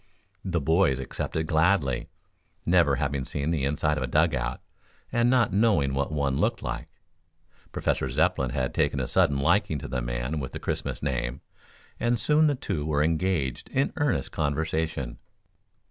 The boys accepted gladly, never having seen the inside of a dug out, and not knowing what one looked like. Professor Zepplin had taken a sudden liking to the man with the Christmas name, and soon the two were engaged in earnest conversation.